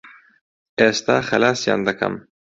ئێستا خەلاسیان دەکەم.